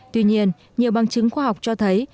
tuy nhiên nhiều bằng chứng khoa học cho thấy